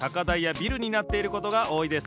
ビルになっていることがおおいです。